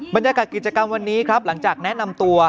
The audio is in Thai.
บรรยากาศกิจกรรมวันนี้ครับหลังจากแนะนำตัว